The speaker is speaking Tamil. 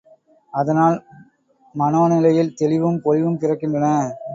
அதனால் மனோநிலையில் தெளிவும், பொலிவும் பிறக்கின்றன.